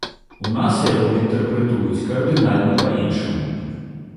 У нас яго інтэрпрэтуюць кардынальна па-іншаму.